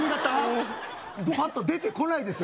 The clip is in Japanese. うんパッと出てこないですよ